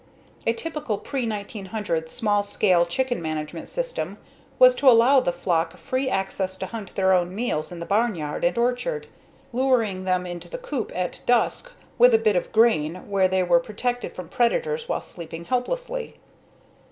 A typical pre 1900 small scale chicken management system was to allow the flock free access to hunt their own meals in the barnyard and orchard, luring them into the coop at dusk with a bit of grain where they were protected from predators while sleeping helplessly.